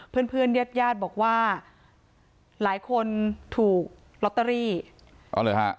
เพื่อนเพื่อนญาติญาติบอกว่าหลายคนถูกลอตเตอรี่อ๋อเหรอฮะ